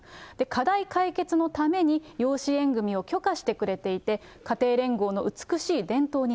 課題解決のために養子縁組を許可してくれていて、家庭連合の美し